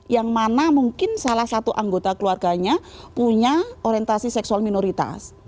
yang mana mungkin salah satu anggota keluarganya punya orientasi seksual minoritas